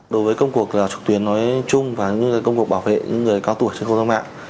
đối với công cuộc trực tuyến nói chung và công cuộc bảo vệ những người cao tuổi trên không gian mạng